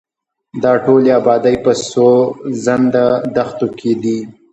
دا ټولې ابادۍ په سوځنده دښتو کې دي.